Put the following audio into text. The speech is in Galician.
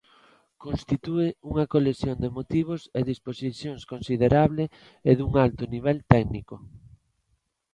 Constitúe unha colección de motivos e disposicións considerable e dun alto nivel técnico.